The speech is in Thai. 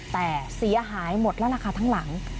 แต่เสียหายหมดแล้วล่ะค่ะทั้งหลัง